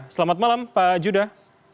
selamat malam pak judah